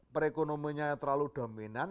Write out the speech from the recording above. perekonomianya terlalu dominan